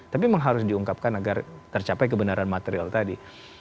tapi memang harus diungkapkan agar tercapai kebenaran material tadi